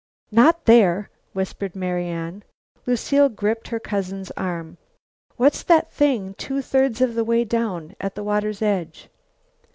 "Not there," whispered Marian. Lucile gripped her cousin's arm. "What's that thing two thirds of the way down, at the water's edge?"